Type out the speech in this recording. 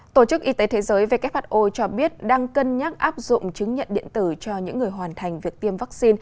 tổ chức y tế thế giới về kết phạt ô cho biết đang cân nhắc áp dụng các máy bay bảy trăm ba mươi bảy max